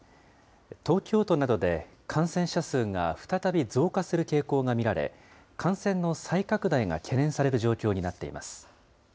東京都などで感染者数が再び増加する傾向が見られ、感染の再拡大が懸念される状況になっています。